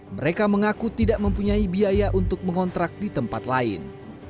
mereka mengaku tidak mempunyai biaya untuk mengontrak di tempat lain